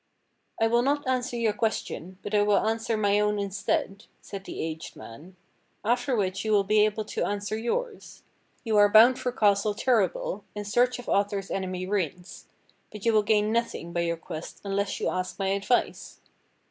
"I will not answer your question, but I will answer my own instead," said the aged man. "After which you will be able to answer yours. You are bound for Castle Terrabil in search of Arthur's enemy Rience. But you will gain nothing by your quest unless you ask my advice."